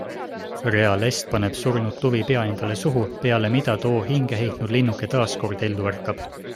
Rea Lest paneb surnud tuvi pea endale suhu, peale mida too hingeheitnud linnuke taaskord ellu ärkab.